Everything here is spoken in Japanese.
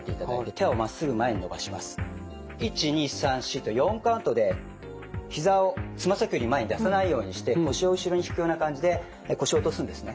１２３４と４カウントでひざをつま先より前に出さないようにして腰を後ろに引くような感じで腰を落とすんですね。